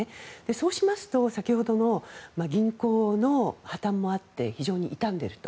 そうしますと先ほどの銀行の破たんもあって非常に傷んでいると。